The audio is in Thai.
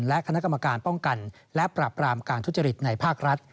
และคณะกรรมการป้องกันและปราบรามการทุจริตในภาครัฐ